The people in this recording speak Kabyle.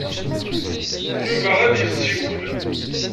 Yuba ad d-yessiwel.